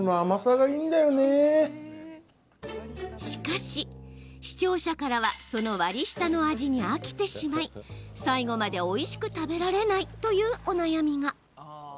しかし視聴者からはその割り下の味に飽きてしまい最後までおいしく食べられないというお悩みが。